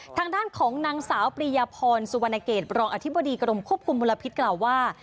ทางด้านของนางสาวปริยพรสุวรรณเกตรองอธิบดีกรมควบคุมมลพิษกล่าวว่า